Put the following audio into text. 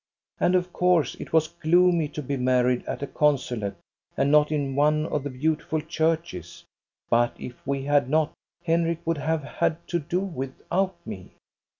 " And of course it was gloomy to be married at a consulate, and not in one of the beautiful churches, but if we had not Henrik would have had to do without me.